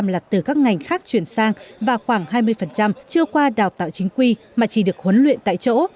một mươi là từ các ngành khác chuyển sang và khoảng hai mươi chưa qua đào tạo chính quy mà chỉ được huấn luyện tại chỗ